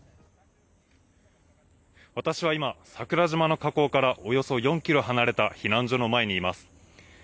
私は今、桜島の火口からおよそ４キロ離れた避難所の前にいます。